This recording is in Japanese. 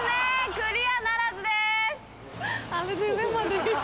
クリアならずです。